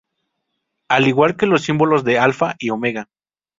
Al igual que los símbolos de Alfa y Omega.